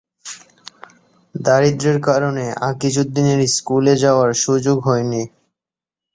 দারিদ্রের কারণে আকিজ উদ্দিনের স্কুলে যাওয়ার সুযোগ হয়নি।